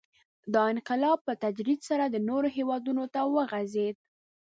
• دا انقلاب په تدریج سره نورو هېوادونو ته وغځېد.